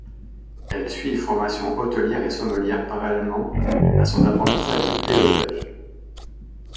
Elle suit une formation hôtelière et de sommellerie parallèlement à son apprentissage du pilotage.